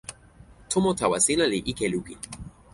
tomo tawa sina li ike lukin.